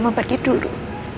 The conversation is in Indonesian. mama pergi dulu